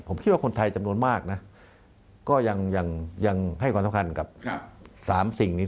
ผมเชื่อว่าคนไทยจำนวนมากนะก็ยังให้ความสำคัญกับ๓สิ่งนี้